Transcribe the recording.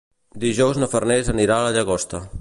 Dijous na Farners anirà a la Llagosta.